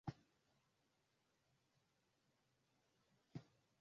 i za magharibi na sababu kuu ilikuwa nafasi kubwa ya serikali iliyojitahidi